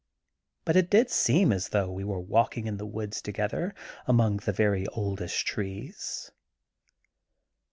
But it did seem as though we were walking in the woods to gether among the very oldest trees.